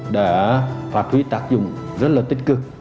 đã phát huy tác dụng rất là tích cực